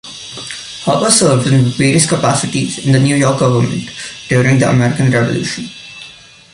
Harpur served in various capacities in the New York government during the American Revolution.